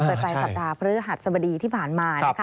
ไปไปสัปดาห์พฤหัสบดีที่ผ่านมา